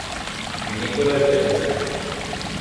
Une école de dessin.